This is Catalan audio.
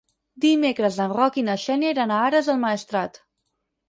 Dimecres en Roc i na Xènia iran a Ares del Maestrat.